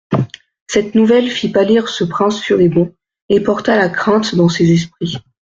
Cette nouvelle fit pâlir ce prince furibond, et porta la crainte dans ses esprits.